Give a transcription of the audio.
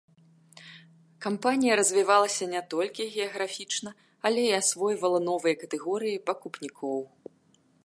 Кампанія развівалася не толькі геаграфічна, але і асвойвала новыя катэгорыі пакупнікоў.